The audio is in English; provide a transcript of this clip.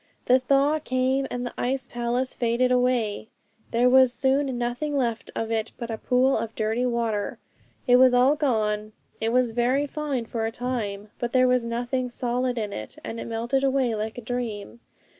The thaw came, and the ice palace faded away; there was soon nothing left of it but a pool of dirty water. It was all gone; it was very fine for a time; but there was nothing solid in it, and it melted away like a dream.